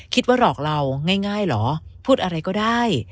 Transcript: คิดว่าหลอกเราง่ายหรอพูดอะไรก็ได้